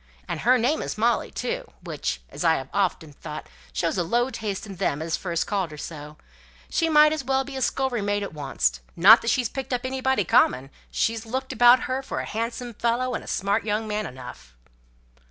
And her name is Molly too, which, as I have often thought, shows a low taste in them as first called her so; she might as well be a scullery maid at oncest. Not that she's picked up anybody common; she's looked about her for a handsome fellow, and a smart young man enough!"